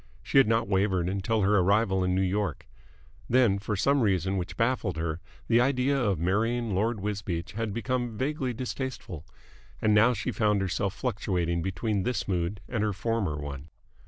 She had not wavered until her arrival in New York. Then, for some reason which baffled her, the idea of marrying Lord Wisbeach had become vaguely distasteful. And now she found herself fluctuating between this mood and her former one.